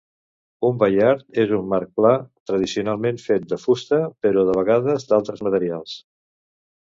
Un baiard és un marc pla, tradicionalment fet de fusta però de vegades d'altres materials.